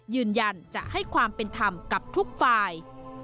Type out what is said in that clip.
ยืนยันจะให้ความเป็นธรรมกับทุกฝ่าย